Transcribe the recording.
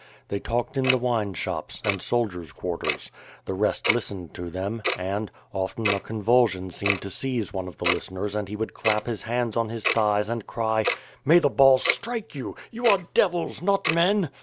They talked in the wine shops, and soldiers quarters; the rest listened to them and, often a convulsion seemed to seize one of the listeners and he would clap his hands on his thighs and cry, "May the balls strike you! You are devils, not men."